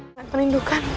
aku sangat perlindunganmu